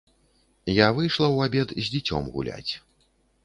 Я выйшла ў абед з дзіцем гуляць.